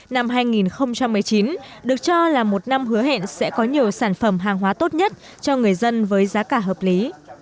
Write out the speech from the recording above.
năm hai nghìn một mươi chín được cho là một năm hứa hẹn sẽ có nhiều sản phẩm hàng hóa tốt nhất cho người dân với giá cả hợp lý